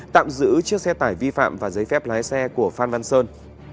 tạm giữ chiếc xe tải vi phạm và giấy phép lái xe của phan văn sơn